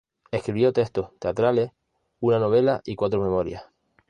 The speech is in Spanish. Escribió textos teatrales, una novela y cuatro memorias.